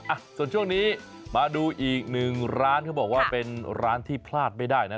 อ่ะส่วนช่วงนี้มาดูอีกหนึ่งร้านเขาบอกว่าเป็นร้านที่พลาดไม่ได้นะ